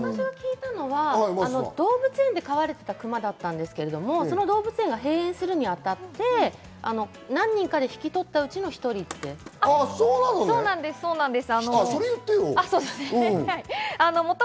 動物園で飼われていたクマだったんですけれど、その動物園が閉園するにあたって何人かで引き取ったうちの１人と聞きました。